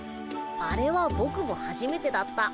あれはボクもはじめてだった。